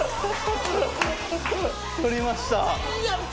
取りました！